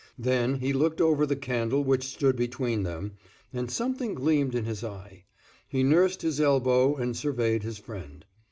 Then he looked over the candle which stood between them, and something gleamed in his eye; he nursed his elbow and surveyed his friend.